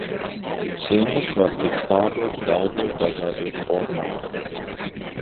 Singls var tikt pārdots daudzos dažādos formātos.